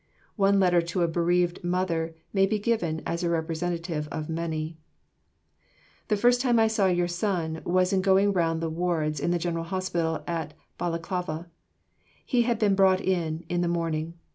One letter to a bereaved mother may be given as a representative of many: ... The first time I saw your son was in going round the wards in the General Hospital at Balaklava. He had been brought in, in the morning....